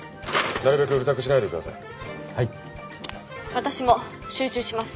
私も集中します。